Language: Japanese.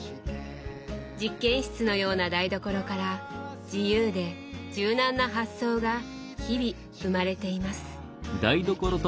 実験室のような台所から自由で柔軟な発想が日々生まれています。